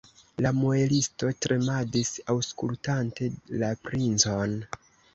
La muelisto tremadis, aŭskultante la princon.